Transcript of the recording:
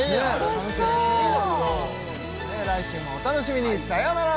楽しそう来週もお楽しみにさよなら